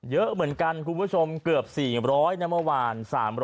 เยอะเหมือนกันคุณผู้ชมเกือบ๔๐๐นะเมื่อวาน๓๐๐